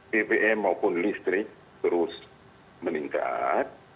bbm maupun listrik terus meningkat